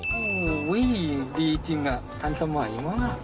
โอ้โหดีจริงอ่ะทันสมัยมาก